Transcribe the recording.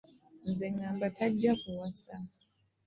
Nze ŋŋamba tajja kuwasa.